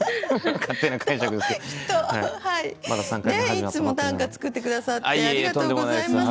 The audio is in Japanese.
いつも短歌作って下さってありがとうございます。